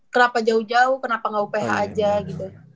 kenapa jauh jauh kenapa nggak uph aja gitu